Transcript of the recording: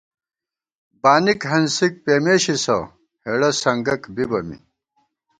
بانِک ہنسِک پېمېشِسہ، ہېڑہ سنگَک بِبہ می